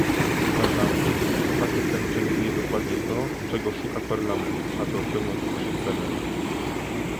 Uważam, że pakiet ten przewiduje dokładnie to, czego szuka Parlament, aby osiągnąć trzy cele